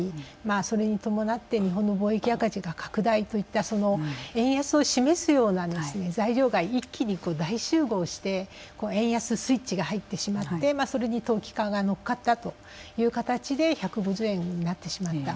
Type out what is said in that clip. それに伴って日本の貿易赤字の拡大というような円安を示すような材料が一気に大集合して円安スイッチが入ってしまってそれが投機家が乗っかってしまったということで１５０円になってしまった。